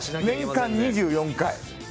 年間２４回。